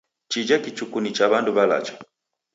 Chija kichuku ni cha w'andu w'alacha.